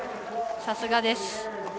さすがです。